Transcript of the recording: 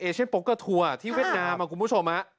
เอเชนต์โปรเกอร์ทัวร์ที่เวียดนาม